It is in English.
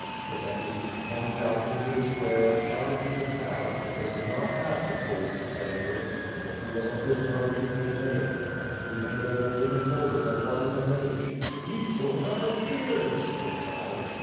The deputies plunged out into the square and shouted to the crowd that they could not have the Pole to play with, for he was a prisoner of Tukhay Bey, and Tukhay Bey had given orders, and was in a rage. "He pulled our beards," they cried.